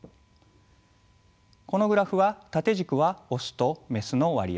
このグラフは縦軸はオスとメスの割合